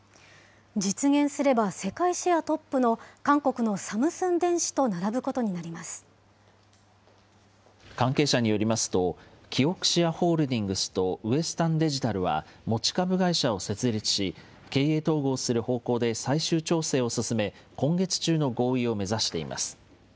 実現すれば世界シェアトップの韓国のサムスン電子と並ぶことにな関係者によりますと、キオクシアホールディングスとウエスタンデジタルは、持ち株会社を設立し、経営統合する方向で最終調整を進め、今月中の合意を目指しています。